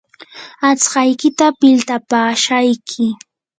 aqtsaykita piltapaashayki.